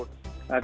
tetapi kalau soal